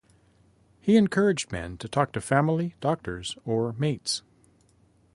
He encouraged men to talk to family, doctors or mates.